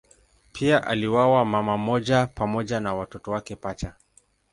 Pia aliuawa mama mmoja pamoja na watoto wake pacha.